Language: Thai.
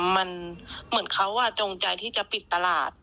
มันเหมือนเขาจงใจที่จะปิดตลาด